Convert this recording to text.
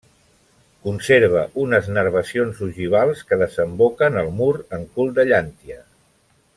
Conserva unes nervacions ogivals que desemboquen al mur en cul de llàntia.